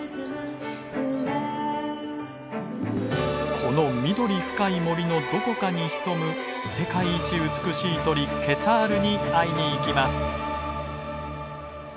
この緑深い森のどこかに潜む世界一美しい鳥ケツァールに会いに行きます。